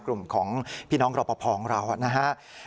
กลุ่มของพี่น้องรอปภของเรานะฮะ